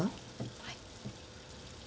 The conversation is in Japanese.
はい。